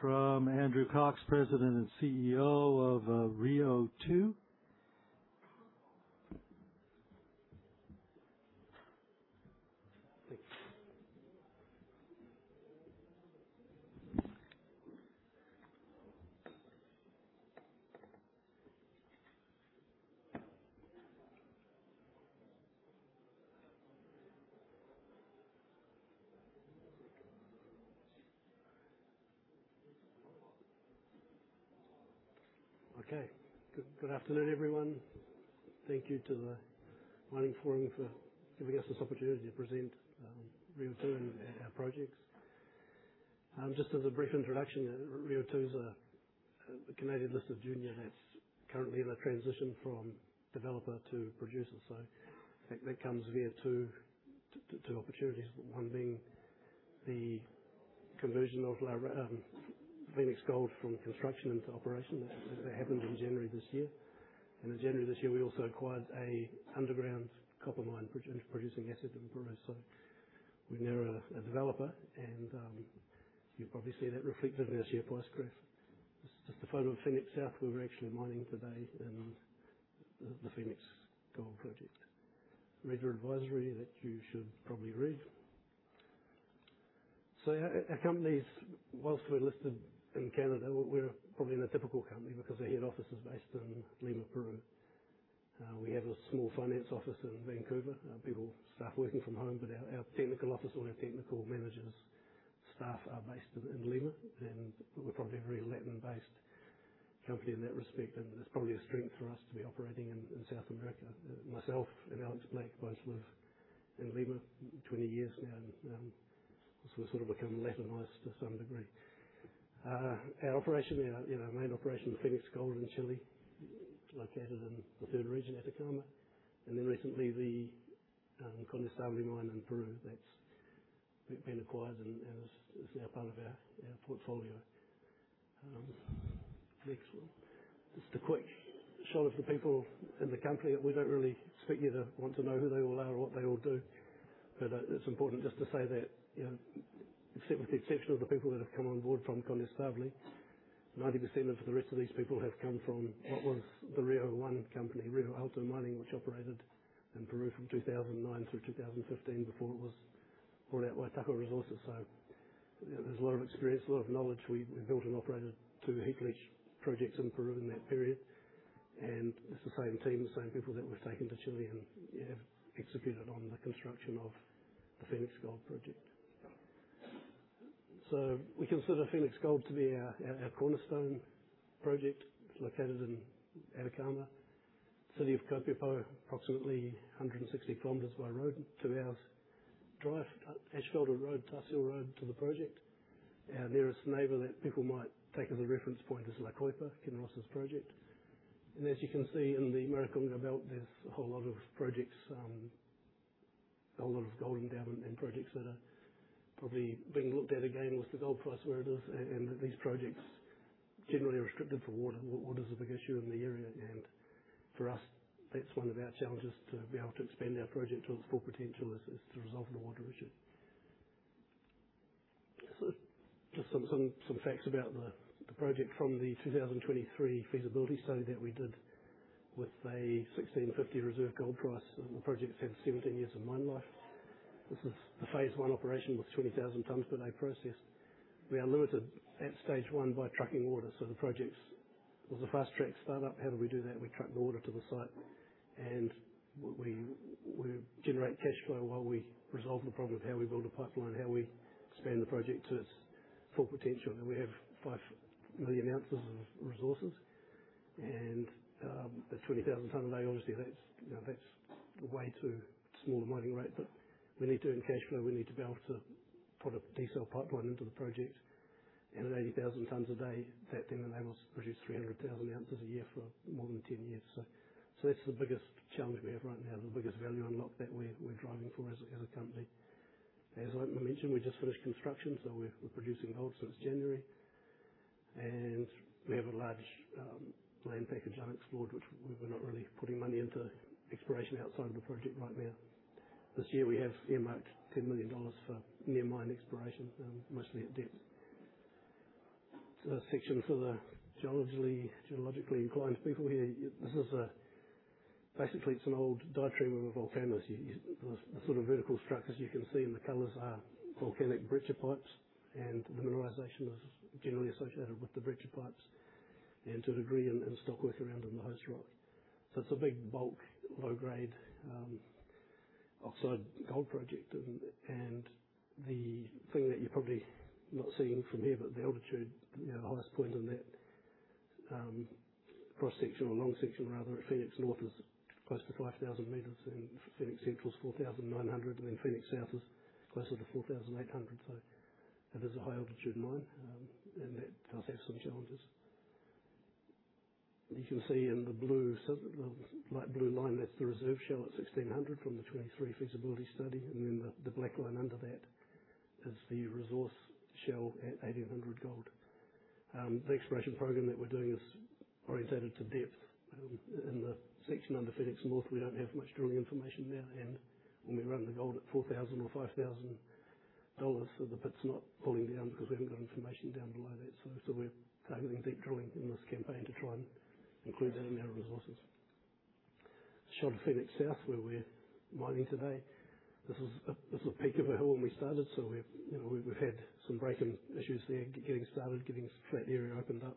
From Andrew Cox, President and CEO of Rio2. Good afternoon, everyone. Thank you to the Mining Forum for giving us this opportunity to present Rio2 and our projects. Just as a brief introduction, Rio2 is a Canadian-listed junior that's currently in a transition from developer to producer. I think that comes via two opportunities, one being the conversion of Fenix Gold from construction into operation. That happened in January this year. In January this year, we also acquired a underground copper mine producing asset in Peru. We're now a developer, and you'll probably see that reflected in our share price graph. This is just a photo of Fenix South, where we're actually mining today in the Fenix Gold Project. Reader advisory that you should probably read. Our company, whilst we're listed in Canada, we're probably an atypical company because our head office is based in Lima, Peru. We have a small finance office in Vancouver. People, staff working from home. Our technical office, all our technical managers, staff are based in Lima, and we're probably a very Latin-based company in that respect, and that's probably a strength for us to be operating in South America. Myself and Alex Black both live in Lima, 20 years now. We've sort of become Latinized to some degree. Our main operation, Fenix Gold in Chile, located in the third region, Atacama, recently the Condestable mine in Peru that's been acquired and is now part of our portfolio. Next one. Just a quick shot of the people in the country. We don't really expect you to want to know who they all are or what they all do. It's important just to say that, with the exception of the people that have come on board from Condestable, 90% of the rest of these people have come from what was the Rio1 company, Rio Alto Mining, which operated in Peru from 2009 through 2015 before it was bought out by Tahoe Resources. There's a lot of experience, a lot of knowledge. We built and operated two heap leach projects in Peru in that period, and it's the same team, the same people that we've taken to Chile and have executed on the construction of the Fenix Gold Project. We consider Fenix Gold to be our cornerstone project. It's located in Atacama, city of Copiapó, approximately 160 km by road, two hours' drive. Asphalted road, tar seal road to the project. Our nearest neighbor that people might take as a reference point is La Coipa, Kinross's project. As you can see in the Maricunga belt, there's a whole lot of projects, a lot of gold endowment and projects that are probably being looked at again with the gold price where it is, and these projects generally are restricted for water. Water is a big issue in the area, and for us, that's one of our challenges to be able to expand our project to its full potential is to resolve the water issue. Just some facts about the project from the 2023 feasibility study that we did. With a $1,650 reserve gold price, the project has 17 years of mine life. This is the phase one operation with 20,000 tons per day processed. We are limited at stage 1 by trucking water. It was a fast-track start-up. How do we do that? We truck the water to the site, we generate cash flow while we resolve the problem of how we build a pipeline, how we expand the project to its full potential. We have five million ounces of resources, and at 20,000 tons a day, obviously that's way too small a mining rate. We need to earn cash flow. We need to be able to put a desal pipeline into the project. At 80,000 tons a day, that then enables us to produce 300,000 ounces a year for more than 10 years. That's the biggest challenge we have right now, the biggest value unlock that we're driving for as a company. As I mentioned, we just finished construction, so we're producing gold since January. We have a large land package unexplored, which we're not really putting money into exploration outside of the project right now. This year, we have earmarked 10 million dollars for near mine exploration, mostly at depth. To the section for the geologically inclined people here. Basically, it's an old diatreme of volcanoes. The sort of vertical structures you can see in the colors are volcanic breccia pipes, and the mineralization is generally associated with the breccia pipes, and to a degree in stockwork around in the host rock. It's a big, bulk, low-grade oxide gold project. The thing that you're probably not seeing from here, but the altitude, the highest point in that cross-section or long section rather at Fenix North is close to 5,000 meters and Fenix Central is 4,900, and then Fenix South is closer to 4,800. It is a high-altitude mine, and that does have some challenges. You can see in the light blue line, that's the reserve shell at $1,600 from the 2023 feasibility study, the black line under that is the resource shell at $1,800 gold. The exploration program that we're doing is orientated to depth. In the section under Fenix North, we don't have much drilling information there. When we run the gold at $4,000 or $5,000, the bit's not pulling down because we haven't got information down below that. We're targeting deep drilling in this campaign to try and include that in our resources. A shot of Fenix South, where we're mining today. This was a peak of a hill when we started. We've had some breaking issues there, getting started, getting a flat area opened up.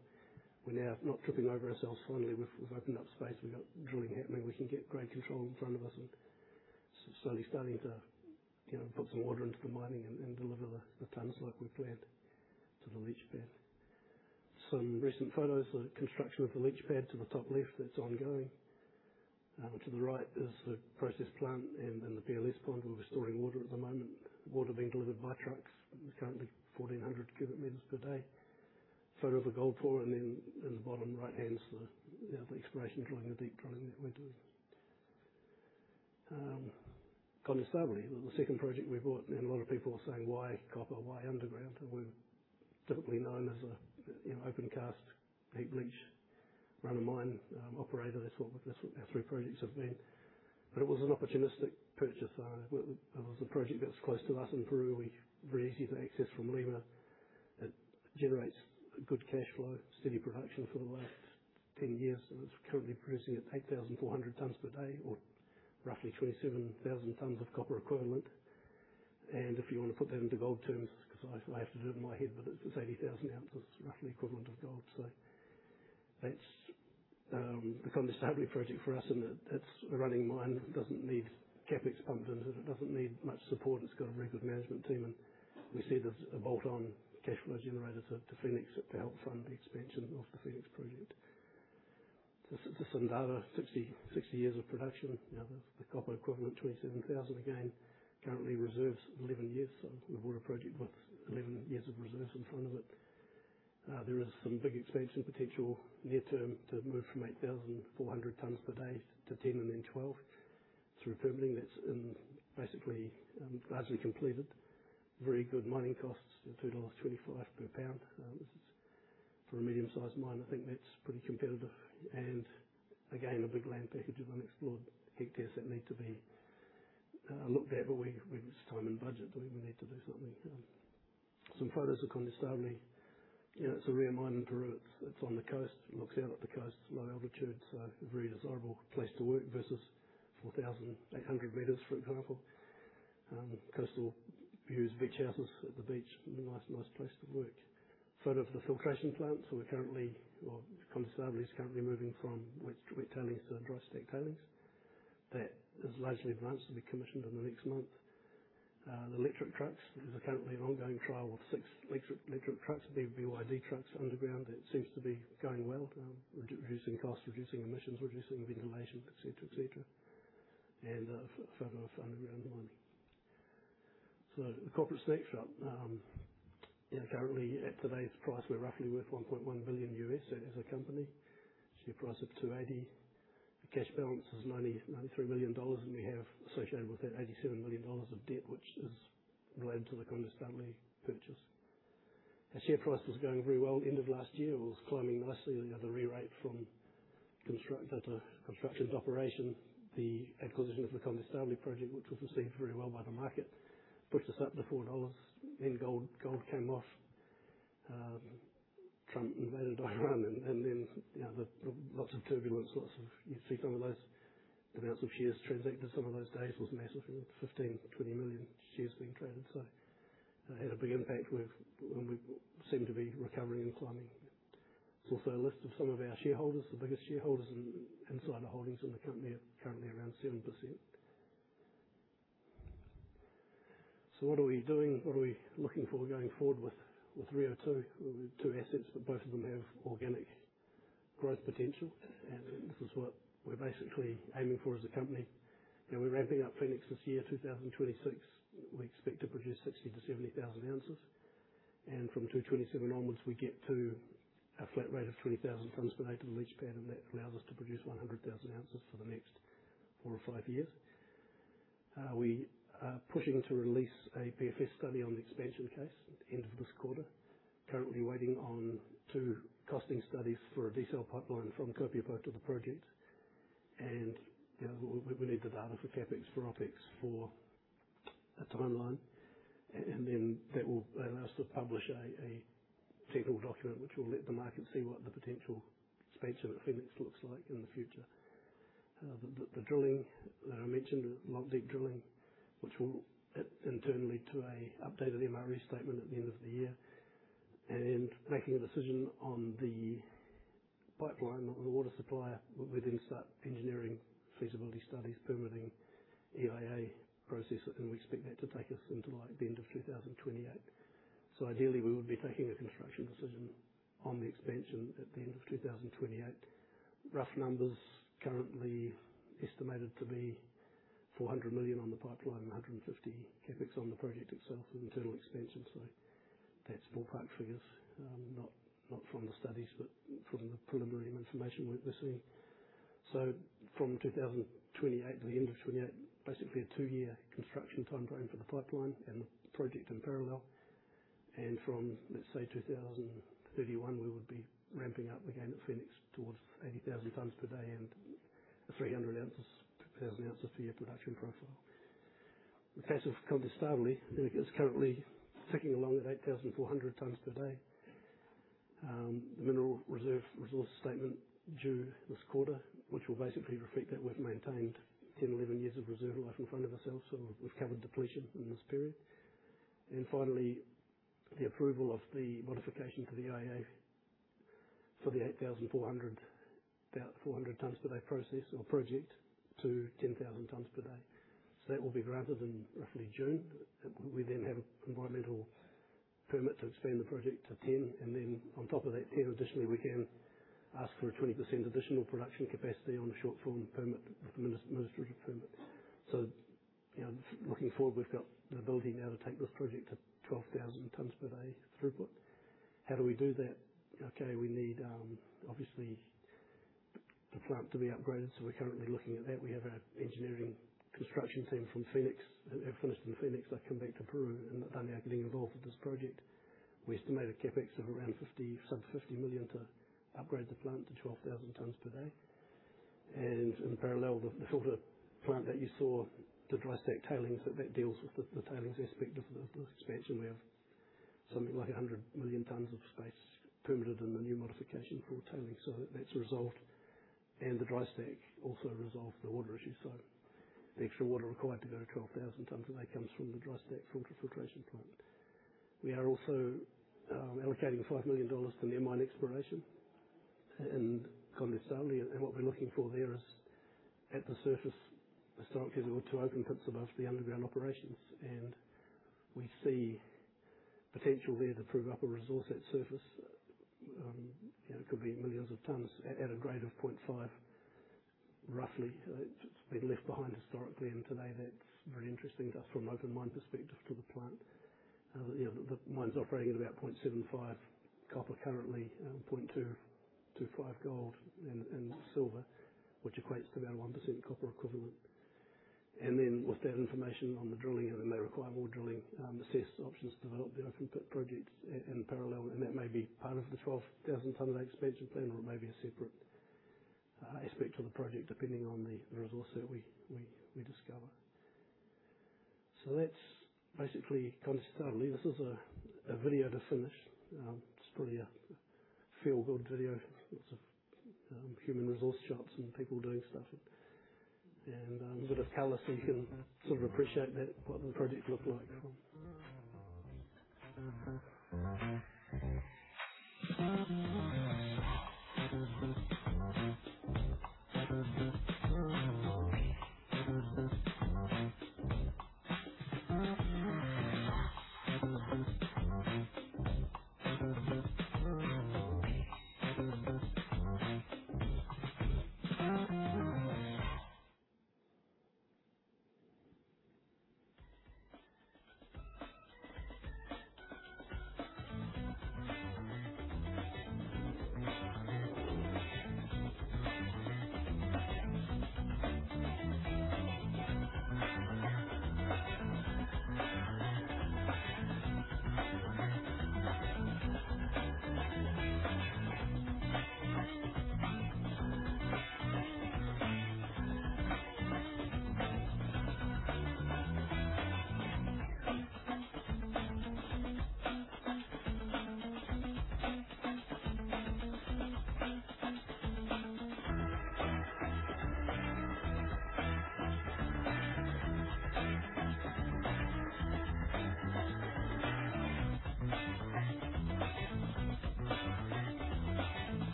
We're now not tripping over ourselves. Finally, we've opened up space. We've got drilling happening. We can get great control in front of us and slowly starting to put some order into the mining and deliver the tons like we planned to the leach pad. Some recent photos of the construction of the leach pad to the top left, that's ongoing. To the right is the process plant and the PLS pond where we're storing water at the moment. Water being delivered by trucks, currently 1,400 cubic meters per day. Photo of a gold pour and in the bottom right-hand is the exploration drilling, the deep drilling that we're doing. Condestable, the second project we bought, a lot of people are saying, "Why copper? Why underground?" We're typically known as an open-cast heap leach run of mine operator. That's what our three projects have been. It was an opportunistic purchase. It was a project that's close to us in Peru, very easy to access from Lima. It generates a good cash flow, steady production for the last 10 years, it's currently producing at 8,400 tons per day, or roughly 27,000 tons of copper equivalent. If you want to put that into gold terms, because I have to do it in my head, it's 80,000 ounces, roughly equivalent of gold. That's become the Condestable project for us, that's a running mine that doesn't need CapEx pumped into it, doesn't need much support. It's got a very good management team, we see it as a bolt-on cash flow generator to Fenix to help fund the expansion of the Fenix project. This is some data, 60 years of production. The copper equivalent, 27,000 again. Currently reserves 11 years. We've got a project with 11 years of reserves in front of it. There is some big expansion potential near term to move from 8,400 tons per day to 10 and then 12 through permitting. That's basically largely completed. Very good mining costs, 2.25 dollars per pound. For a medium-sized mine, I think that's pretty competitive. Again, a big land package of unexplored hectares that need to be looked at, it's time and budget. Do we need to do something? Some photos of Condestable. It's a rare mine in Peru. It's on the coast. It looks out at the coast, low altitude, a very desirable place to work versus 4,800 meters, for example. Coastal views, beach houses at the beach, a nice place to work. Photo of the filtration plant. Condestable is currently moving from wet tailings to dry stack tailings. That is largely advanced and be commissioned in the next month. The electric trucks. There's currently an ongoing trial with six electric trucks, BYD trucks underground. That seems to be going well, reducing costs, reducing emissions, reducing ventilation, et cetera. A photo of underground mining. The corporate snapshot. Currently at today's price, we're roughly worth $1.1 billion U.S. as a company. Share price of 280. The cash balance is 93 million dollars, we have associated with that 87 million dollars of debt, which is related to the Condestable purchase. Our share price was going very well end of last year. It was climbing nicely. We had the re-rate from construction to constructions to operations. The acquisition of the Condestable project, which was received very well by the market, pushed us up to 4 dollars. Gold came off. Trump invaded Iran lots of turbulence. You see some of those amounts of shares transacted. Some of those days was massive, 15, 20 million shares being traded. Had a big impact and we seem to be recovering and climbing. There is also a list of some of our shareholders. The biggest shareholders in insider holdings in the company are currently around 7%. What are we doing? What are we looking for going forward with Rio2? Two assets, but both of them have organic growth potential, and this is what we are basically aiming for as a company. We are ramping up Fenix this year, 2026. We expect to produce 60 to 70,000 ounces. From 2027 onwards, we get to a flat rate of 20,000 tons per day to the leach pad, and that allows us to produce 100,000 ounces for the next four or five years. We are pushing to release a PFS study on the expansion case at the end of this quarter. Currently waiting on two costing studies for a desal pipeline from Copiapó to the project. We need the data for CapEx, for OpEx, for a timeline. That will allow us to publish a technical document, which will let the market see what the potential expansion of Fenix looks like in the future. The drilling that I mentioned, the drilling, which will internally do an updated MRE statement at the end of the year. Making a decision on the pipeline or the water supplier. We start engineering feasibility studies, permitting EIA process, and we expect that to take us into the end of 2028. Ideally, we would be taking a construction decision on the expansion at the end of 2028. Rough numbers currently estimated to be 400 million on the pipeline, 150 CapEx on the project itself with internal expansion. That is ballpark figures, not from the studies, but from the preliminary information we are receiving. From 2028 to the end of 2028, basically a two-year construction timeframe for the pipeline and the project in parallel. From, let us say 2031, we would be ramping up again at Fenix towards 80,000 tonnes per day and 300,000 ounces per year production profile. In the case of Condestable, it is currently ticking along at 8,400 tonnes per day. The mineral reserve resource statement due this quarter, which will basically reflect that we have maintained 10, 11 years of reserve life in front of ourselves. We have covered depletion in this period. Finally, the approval of the modification to the EIA for the 8,400 tonnes per day process or project to 10,000 tonnes per day. That will be granted in roughly June. We have an environmental permit to expand the project to 10, and then on top of that 10, additionally, we can ask for a 20% additional production capacity on a short form permit with the administrative permit. Looking forward, we have got the ability now to take this project to 12,000 tonnes per day throughput. How do we do that? Okay. We need, obviously, the plant to be upgraded. We are currently looking at that. We have our engineering construction team from Fenix. They finished in Fenix, they have come back to Peru, and they are now getting involved with this project. We estimate a CapEx of around sub 50 million to upgrade the plant to 12,000 tonnes per day. In parallel, the filter plant that you saw, the dry stack tailings, that deals with the tailings aspect of the expansion. We have something like 100 million tonnes of space permitted in the new modification for tailings. That's resolved. The dry stack also resolves the water issue. The extra water required to go to 12,000 tonnes a day comes from the dry stack filter filtration plant. We are also allocating 5 million dollars to near mine exploration in Condestable. What we're looking for there is at the surface, historically, there were two open pits above the underground operations, and we see potential there to prove up a resource at surface. It could be millions of tons at a grade of 0.5, roughly. It's been left behind historically, today that's very interesting to us from an open mine perspective to the plant. The mine's operating at about 0.75 copper currently, 0.25 gold and silver, which equates to around 1% copper equivalent. Then with that information on the drilling, they require more drilling, assess options to develop the open pit projects in parallel, and that may be part of the 12,000 tonne expansion plan or it may be a separate aspect of the project, depending on the resource that we discover. That's basically Condestable. This is a video to finish. It's probably a feel-good video. Lots of human resource shots and people doing stuff. With a color, so you can sort of appreciate what the project looked like.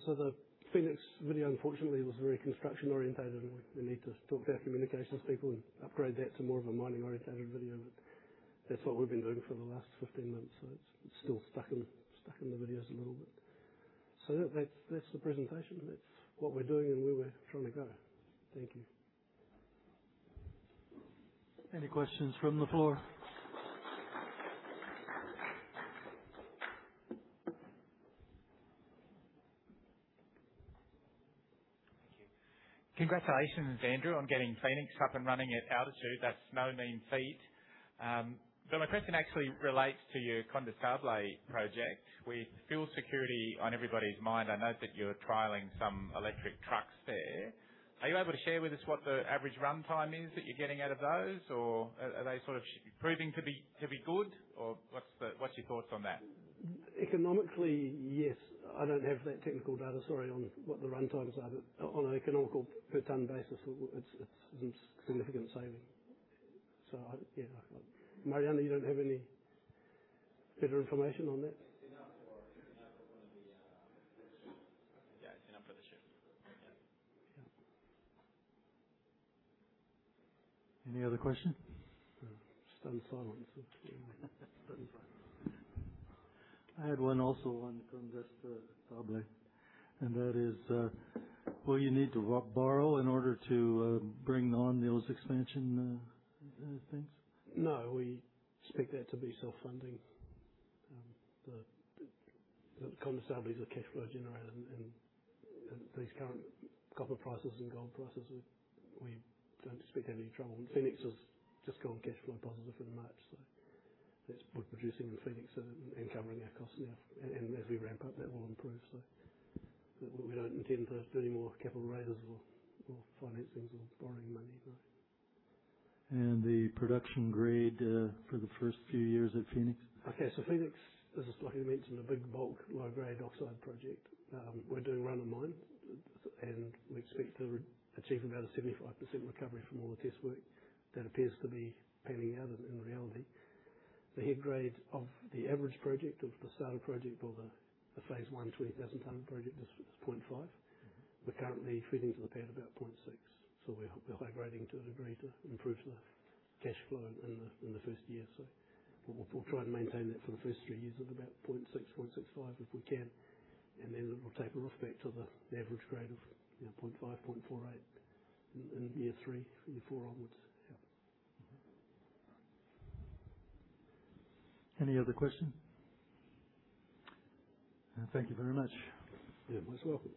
The Fenix video, unfortunately, was very construction orientated, we need to talk to our communications people and upgrade that to more of a mining orientated video. That's what we've been doing for the last 15 months, so it's still stuck in the videos a little bit. That's the presentation. That's what we're doing and where we're trying to go. Thank you. Any questions from the floor? Thank you. Congratulations, Andrew, on getting Fenix up and running at altitude. That's no mean feat. My question actually relates to your Condestable project. With fuel security on everybody's mind, I note that you're trialing some electric trucks there. Are you able to share with us what the average runtime is that you're getting out of those? Or are they sort of proving to be good? Or what's your thoughts on that? Economically, yes. I don't have that technical data, sorry, on what the runtimes are, but on an economical per tonne basis, it's a significant saving. Yeah. Mariana, you don't have any further information on that? It's enough for one of the Yeah, enough for the shoot. Yeah. Any other question? Just out of sight when you said that. Just out of sight. I had one also on Condestable. That is, will you need to borrow in order to bring on those expansion things? No, we expect that to be self-funding. The Condestable is a cash flow generator, and at these current copper prices and gold prices, we don't expect to have any trouble. Fenix has just gone cash flow positive in March. We're producing in Fenix and covering our costs now. As we ramp up, that will improve. We don't intend to do any more capital raises or financings or borrowing money, no. The production grade for the first few years at Fenix? Fenix is, like we mentioned, a big bulk, low-grade oxide project. We're doing run of mine, and we expect to achieve about a 75% recovery from all the test work. That appears to be panning out in reality. The head grades of the average project or the starter project or the phase one 20,000-tonne project is 0.5. We're currently feeding to the pad about 0.6, so we're high-grading to a degree to improve the cash flow in the first year. We'll try and maintain that for the first few years at about 0.6, 0.65 if we can, and then it will taper off back to the average grade of 0.5, 0.48 in year three, year four onwards. Yeah. Any other question? Thank you very much. You're most welcome.